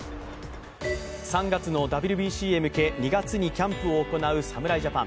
３月のＷＢＣへ向け２月にキャンプを行う侍ジャパン。